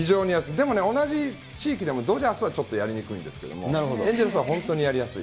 でもね、同じ地域でもドジャースはちょっとやりにくいんですけど、エンゼルスは本当にやりやすい。